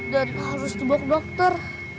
dan harus dibawa ke dokter